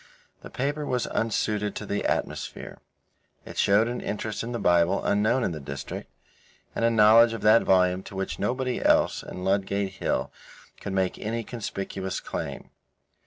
The paper was unsuited to the atmosphere. It showed an interest in the Bible unknown in the district, and a knowledge of that volume to which nobody else on Ludgate Hill could make any conspicuous claim.